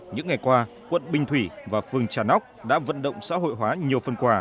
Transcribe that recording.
những ngày qua quận bình thủy và phường trà nóc đã vận động xã hội hóa nhiều phần quà